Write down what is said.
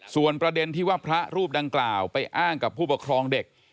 ส่วนประเด็นที่ว่าพระรูปดังกล่าวไปอ้างกับผู้ปกครองเด็ก